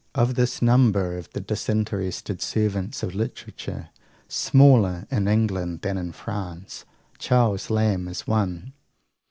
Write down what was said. Of this number of the disinterested servants of literature, smaller in England than in France, Charles Lamb is one.